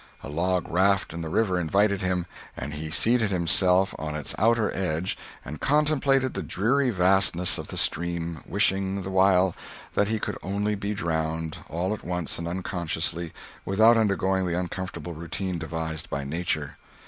A log raft in the river invited him, and he seated himself on its outer edge and contemplated the dreary vastness of the stream, wishing, the while, that he could only be drowned, all at once and unconsciously, without undergoing the uncomfortable routine devised by nature.